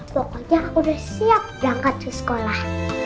pokoknya aku udah siap berangkat ke sekolah